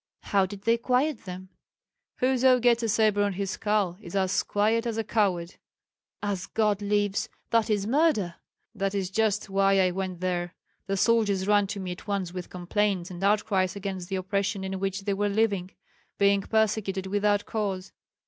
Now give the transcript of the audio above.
"How did they quiet them?" "Whoso gets a sabre on his skull is as quiet as a coward." "As God lives, that is murder!" "That is just why I went there. The soldiers ran to me at once with complaints and outcries against the oppression in which they were living, being persecuted without cause.